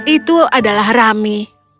itu adalah rami